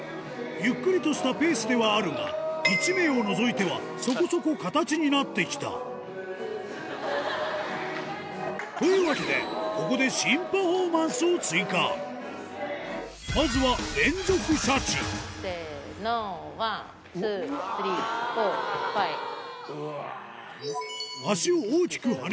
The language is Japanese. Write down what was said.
ゆっくりとしたペースではあるが１名を除いてはそこそこ形になってきたというわけでここでまずはワンツースリーフォーファイブ。